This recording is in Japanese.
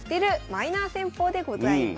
マイナー戦法」でございます。